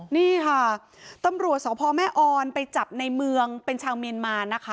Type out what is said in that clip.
นี่ค่ะตำรวจสพแม่ออนไปจับในเมืองเป็นชาวเมียนมานะคะ